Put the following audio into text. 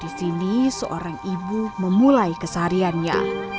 disini seorang ibu memulai kesahariannya